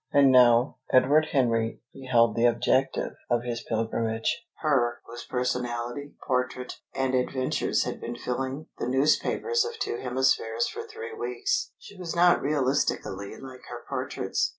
And now Edward Henry beheld the objective of his pilgrimage, her whose personality, portrait, and adventures had been filling the newspapers of two hemispheres for three weeks. She was not realistically like her portraits.